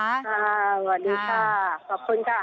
สวัสดีค่ะขอบคุณค่ะ